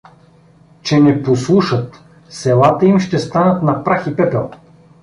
че не послушат, селата им ще станат на прах и пепел.